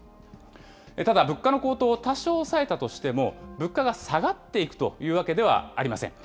ただ、物価の高騰を多少抑えたとしても、物価が下がっていくというわけではありません。